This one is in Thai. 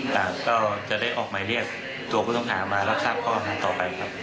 ต่างก็จะได้ออกหมายเรียกตัวผู้ต้องหามารับทราบข้อหาต่อไปครับ